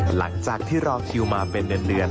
หลังจากที่รอคิวมาเป็นเดือน